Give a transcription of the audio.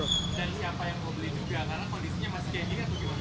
dan siapa yang mau beli juga karena kondisinya masih gini atau gimana